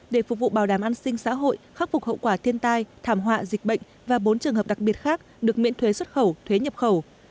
để phục vụ bảo đảm an sinh xã hội khắc phục hậu quả thiên tai thảm họa dịch bệnh và bốn trường hợp đặc biệt khác được miễn thuế xuất khẩu thuế nhập khẩu